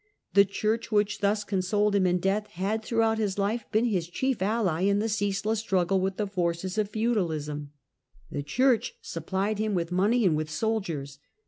The Church, which thus consoled him in death, had throughout his life been his chief ally in the ceaseless struggle with the forces of feudalism. The Church supplied him with money and with soldiers.